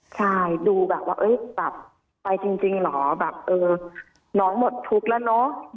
ใช่ดูแบบว่าไปจริงเหรอน้องหมดทุกข์แล้วเนอะ